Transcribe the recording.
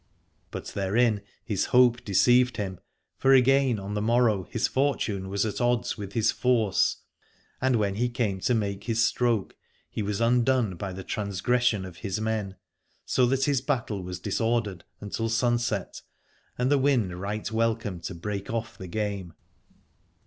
But therein his hope deceived him, for again on the mor row his fortune was at odds with his force, and when he came to make his stroke he was undone by the transgression of his men : so that his battle was disordered until sunset and the wind right welcome to break off the game.